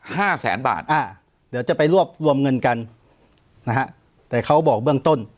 ห้าแสนบาทอ่าเดี๋ยวจะไปรวบรวมเงินกันนะฮะแต่เขาบอกเบื้องต้น